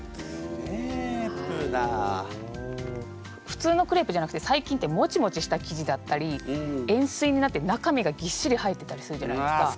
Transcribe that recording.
普通のクレープじゃなくて最近ってもちもちした生地だったり円すいになって中身がぎっしり入ってたりするじゃないですか。